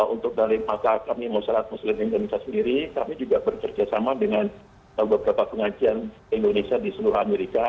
untuk dari masyarakat kami masyarakat muslim indonesia sendiri kami juga bekerjasama dengan beberapa pengajian indonesia di seluruh amerika